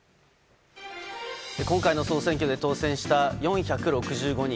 今回の総選挙で当選した４６５人。